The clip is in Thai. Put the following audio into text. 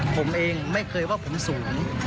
ผมเองไม่เคยว่าผมสูง